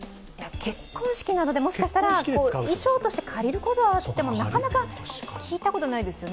結婚式などで、もしかしたら衣装として借りることはあってもなかなか聞いたことないですよね。